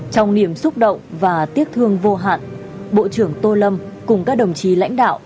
trong niềm xúc động và tiếc thương vô hạn bộ trưởng tô lâm cùng các đồng chí lãnh đạo